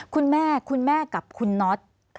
คุณแม่คุณแม่กับคุณน็อต